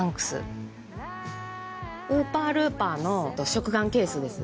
ウーパールーパーの食玩ケースです。